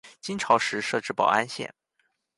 金朝时设置保安县。